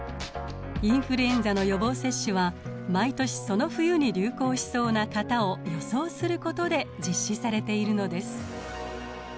インフルエンザの予防接種は毎年その冬に流行しそうな型を予想することで実施されているのです。